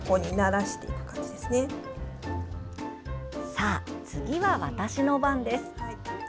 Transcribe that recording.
さあ、次は私の番です。